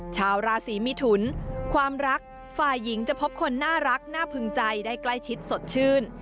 ชาวราศีมิถุนความรักฝ่ายหญิงจะพบคนน่ารักน่าพึงใจได้ใกล้ชิดสดชื่น